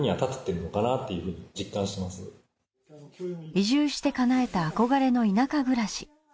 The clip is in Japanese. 移住してかなえた憧れの田舎暮らし。